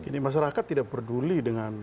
jadi masyarakat tidak peduli dengan